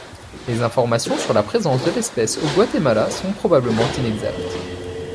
Les informations sur la présence de l'espèce au Guatemala sont probablement inexactes.